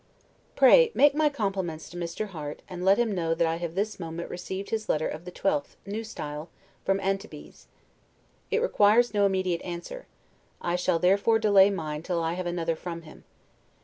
Pray make my compliments to Mr. Harte, and let him know that I have this moment received his letter of the 12th, N. S., from Antibes. It requires no immediate answer; I shall therefore delay mine till I have another from him.